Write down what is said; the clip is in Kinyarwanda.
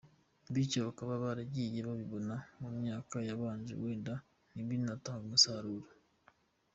Bityo bakaba baragiye babibona mu myaka yabanje wenda ntibinatange umusaruro.